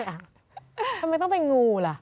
ทำไมต้องเป็นงูล่ะ